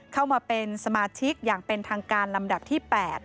เข้ามาเป็นสมาชิกอย่างเป็นทางการลำดับที่๘